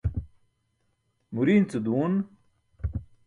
Muriin ce duun.